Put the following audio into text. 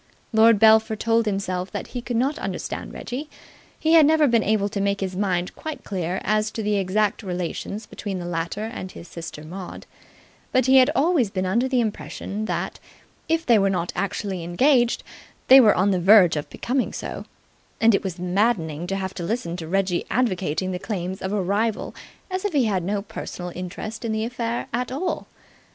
Lord Belpher told himself that he could not understand Reggie. He had never been able to make his mind quite clear as to the exact relations between the latter and his sister Maud, but he had always been under the impression that, if they were not actually engaged, they were on the verge of becoming so; and it was maddening to have to listen to Reggie advocating the claims of a rival as if he had no personal interest in the affair at all.